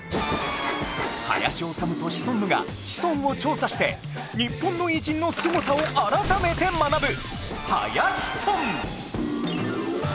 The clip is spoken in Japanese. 林修とシソンヌがシソンを調査して日本の偉人のすごさを改めて学ぶ